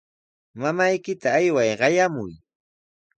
Mamaykita ayway qayamuy.